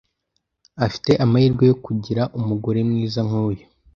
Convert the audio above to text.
Afite amahirwe yo kugira umugore mwiza nkuyu.